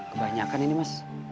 kebanyakan ini mas